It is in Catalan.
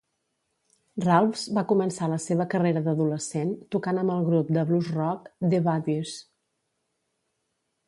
Ralphs va començar la seva carrera d'adolescent, tocant amb el grup de blues-rock The Buddies.